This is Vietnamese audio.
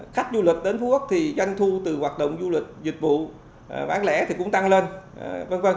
khách du lịch đến phú quốc thì doanh thu từ hoạt động du lịch dịch vụ bán lẻ thì cũng tăng lên v v